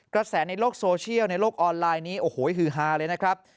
กระแสในโลกโซเชียลในโลกออนไลน์นี้โอ้โหฮือฮาเลยนะครับ